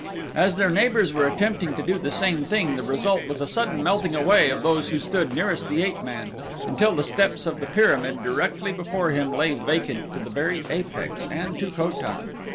As their neighbors were attempting to do the same thing, the result was a sudden melting away of those who stood nearest the ape man, until the steps of the pyramid directly before him lay vacant to the very apex and to Ko tan.